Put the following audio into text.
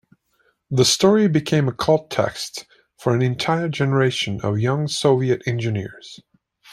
The story became a cult text for an entire generation of young Soviet engineers.